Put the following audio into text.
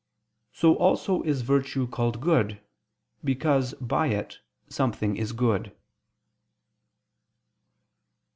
So also is virtue called good, because by it something is good.